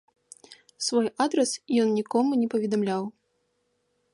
Свой адрас ён нікому не паведамляў.